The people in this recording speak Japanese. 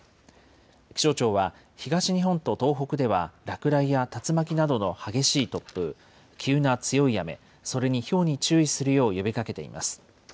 気象庁は、東日本と東北では落雷や竜巻などの激しい突風、急な強い雨、それにひょうに注意するよう呼びかけています。